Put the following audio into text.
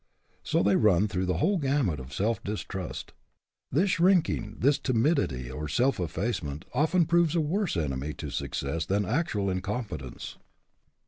So they run through the whole gamut of self distrust. This shrinking, this timidity or self effacement, often proves a worse enemy to success than actual incompetence.